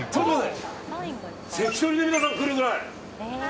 関取の皆さんも来るくらい。